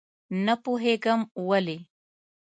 نه پوهېږم ولې.